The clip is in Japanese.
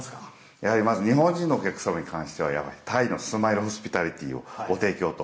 やはりまず日本人のお客様に関しては、タイのスマイルホスピタリティーのご提供と。